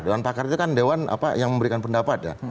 dewan pakar itu kan dewan yang memberikan pendapat